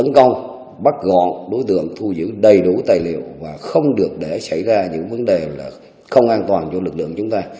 bắt gọn đối tượng thu giữ đầy đủ tài liệu mà không được để xảy ra những vấn đề là không an toàn cho lực lượng chúng ta